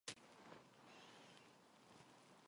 보다도 벽돌은 두 번 바라보기도 싫었다.